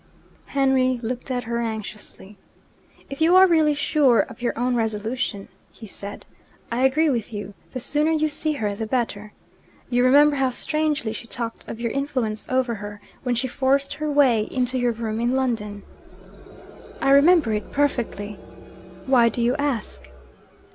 Henry looked at her anxiously. 'If you are really sure of your own resolution,' he said, 'I agree with you the sooner you see her the better. You remember how strangely she talked of your influence over her, when she forced her way into your room in London?' 'I remember it perfectly. Why do you ask?'